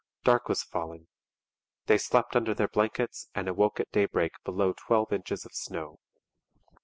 Dark was falling. They slept under their blankets and awoke at daybreak below twelve inches of snow.